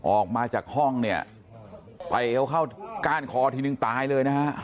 ออกมาจากห้องเนี่ยไปเขาเข้าก้านคอทีนึงตายเลยนะฮะ